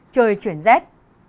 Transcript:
trời chuyển rét